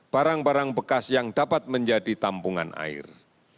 barang barang bekas yang dapat menjadi tampungan air